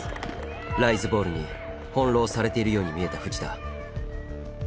ライズボールに翻弄されているように見えた藤田。